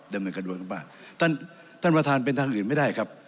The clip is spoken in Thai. ดำเนินกระดวนเข้ามาท่านท่านประธานเป็นทางอื่นไม่ได้ครับ